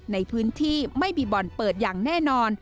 ในพื้นที่ไม่มีบ่อนเปิดอย่างแน่นอน